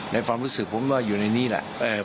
ความรู้สึกผมว่าอยู่ในนี้แหละ